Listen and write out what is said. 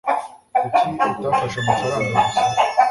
Kuki utafashe amafaranga gusa?